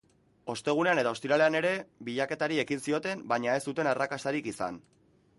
Ostegunean eta ostiralean ere bilaketari ekin zioten baina ez zuten arrakastarik izan.